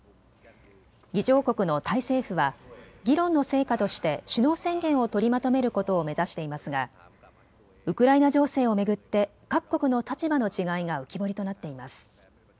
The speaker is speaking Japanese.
議長国のタイ政府は議論の成果として首脳宣言を取りまとめることを目指していますがウクライナ情勢を巡って各国の立場の違いが浮き彫りとなっています。